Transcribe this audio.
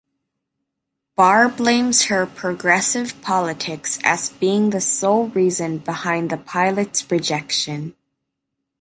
Barr blames her "Progressive politics" as being the sole reason behind the pilot's rejection.